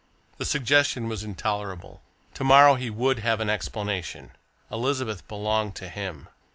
The suggestion was intolerable. To morrow he would have an explanation! Elizabeth belonged to him.